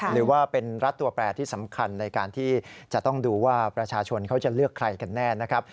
หรือว่าเป็นรัฐตัวแปรที่สำคัญในการที่จะต้องดูว่าประชาชนเขาจะเลือกใครกันแน่นะครับ